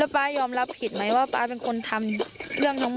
ป๊ายอมรับผิดไหมว่าป๊าเป็นคนทำเรื่องทั้งหมด